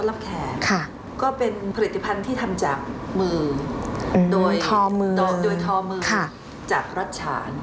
รับแขกก็เป็นผลิตภัณฑ์ที่ทำจากมือโดยทอมือจากรัชฉาน